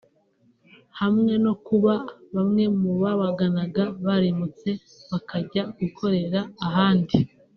hamwe no kuba bamwe mu babaganaga barimutse bakajya gukorera ahandi